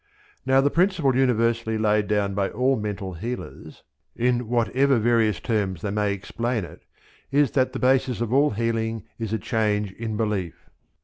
Now the principle universally laid down by all mental healers, in whatever various terms they may explain it, is that the basis of all healing is a change in belief.